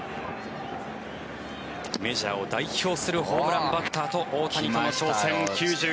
メジャーを代表するホームランバッターと大谷との挑戦